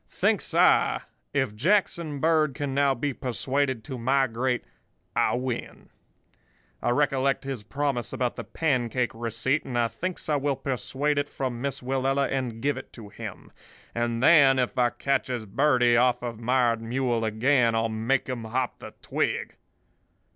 Thinks I, if Jackson Bird can now be persuaded to migrate, I win. I recollect his promise about the pancake receipt, and I thinks I will persuade it from Miss Willella and give it to him; and then if I catches Birdie off of Mired Mule again, I'll make him hop the twig.